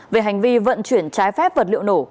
về hành vi vận chuyển trái phép vật liệu nổ